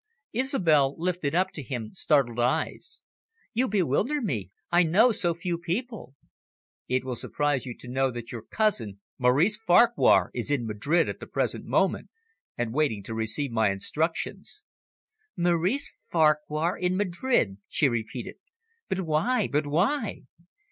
Isobel lifted up to him startled eyes. "You bewilder me. I know so few people." "It will surprise you to know that your cousin, Maurice Farquhar, is in Madrid at the present moment and waiting to receive my instructions." "Maurice Farquhar in Madrid," she repeated. "But why, but why?"